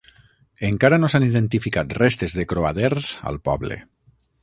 Encara no s'han identificat restes de croaders al poble.